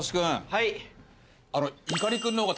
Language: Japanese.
はい。